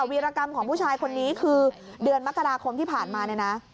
วีรกรรมของผู้ชายคนนี้คือเดือนมกราคมที่ผ่านมาเนี่ยนะ